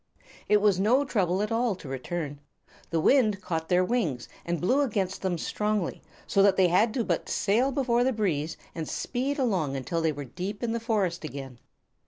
It was no trouble at all to return. The wind caught their wings and blew against them strongly, so that they had but to sail before the breeze and speed along until they were deep in the forest again.